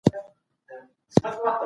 د ژبپوهنې څېړني د ژبې د ودې لامل ګرځي.